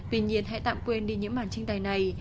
tuy nhiên hãy tạm quên đi những bản trinh tài này